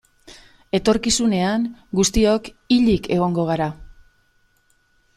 Etorkizunean guztiok hilik egongo gara.